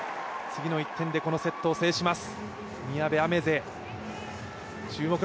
次の１点でこのセットを制します。